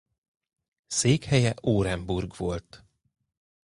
Székhelye Orenburg volt.